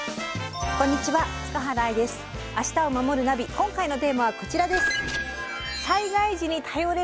今回のテーマはこちらです。